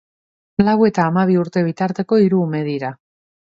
Lau eta hamabi urte bitarteko hiru ume dira.